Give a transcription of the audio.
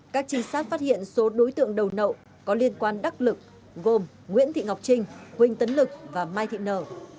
các trinh sát phát hiện số đối tượng đầu nậu có liên quan đắc lực gồm nguyễn thị ngọc trinh huỳnh tấn lực và mai thị nở